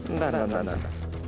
ntar ntar ntar